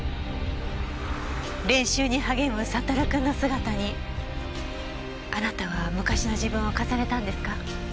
練習に励むサトル君の姿にあなたは昔の自分を重ねたんですか？